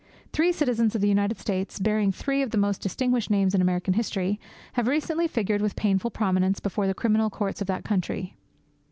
Three citizens of the United States, bearing three of the most distinguished names in American history, have recently figured with painful prominence before the criminal courts of that country.